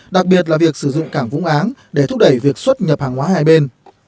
đặc biệt là việc sử dụng cảng vũng áng để thúc đẩy việc xuất nhập hàng hóa hai bên